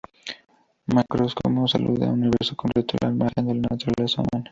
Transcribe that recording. Macrocosmos alude a un universo completo, al margen de la naturaleza humana.